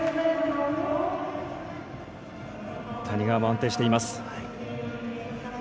谷川も安定しています。